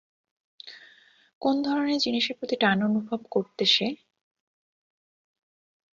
কোন ধরনের জিনিসের প্রতি টান অনুভব করতে সে?